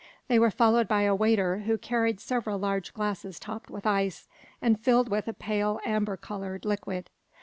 They were followed by a waiter, who carried several large glasses topped with ice, and filled with a pale amber coloured liquid.